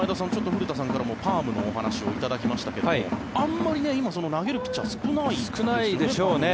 古田さんからもパームのお話を頂きましたがあんまり今、投げるピッチャー少ないですよね。